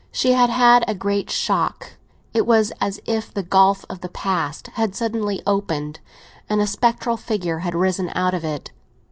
She had had a great shock; it was as if the gulf of the past had suddenly opened, and a spectral figure had risen out of it.